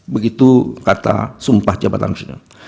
begitu kata sumpah jabatan presiden